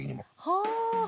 はあ。